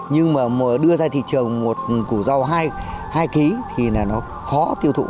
nhưng mà đưa ra thị trường một củ rau hai hai kg thì là nó khó tiêu thụ